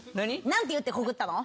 「何て言って告ったの？」